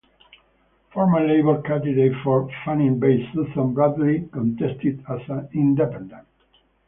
Former Labor candidate for Fannie Bay Susan Bradley contested as an Independent.